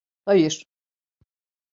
Hayir.